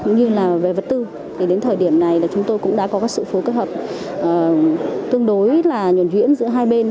như là về vật tư thì đến thời điểm này là chúng tôi cũng đã có sự phối kết hợp tương đối là nhuẩn nhuyễn giữa hai bên